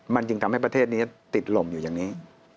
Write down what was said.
มันจึงทำให้ประเทศนี้ติดลมอยู่อย่างนี้